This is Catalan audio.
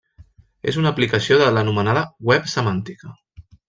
És una aplicació de l'anomenada Web semàntica.